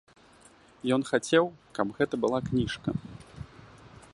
Ён хацеў, каб гэта была кніжка.